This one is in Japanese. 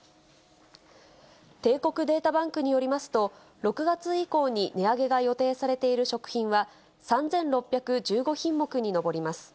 帝国データバンクによりますと、６月以降に値上げが予定されている食品は３６１５品目に上ります。